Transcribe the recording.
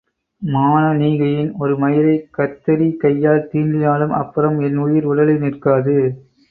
மானனீகையின் ஒரு மயிரைக் கத்தரிகையால் தீண்டினாலும் அப்புறம் என் உயிர் உடலில் நிற்காது!